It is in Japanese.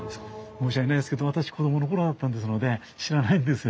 申し訳ないんですけど私子供の頃だったんですので知らないんですよ。